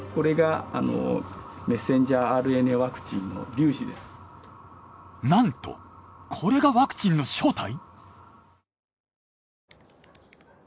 画面に現れたなんとこれがワクチンの正体！？